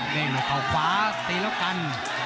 เร่งเข้าขวาตีแล้วกัน